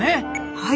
はい。